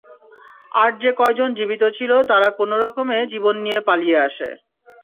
আর যে কয়জন জীবিত ছিল তারা কোন রকমে জীবন নিয়ে পালিয়ে আসে।